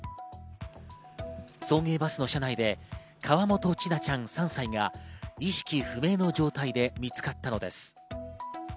送迎バスの車内で河本千奈ちゃん３歳が意識不明の状態で見つかったのです。